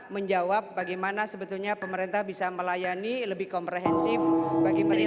menjawab bagaimana sebetulnya pemerintah bisa melayani lebih komprehensif bagi mereka